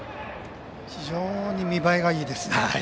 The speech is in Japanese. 非常に見栄えがいいですね。